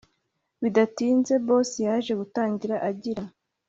bidatinze boss yaje gutangira agira